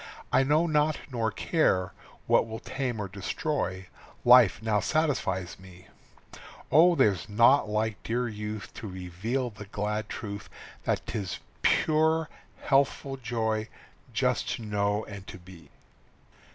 I know not nor care what will tame or destroy, Life now satisfies me. Oh, there's naught like dear youth To reveal the glad truth That 'tis pure, healthful joy just to know and to be!